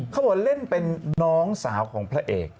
เขาบอกเล่นเป็นน้องสาวของพระเอก